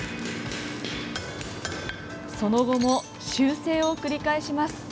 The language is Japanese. その後も修正を繰り返します。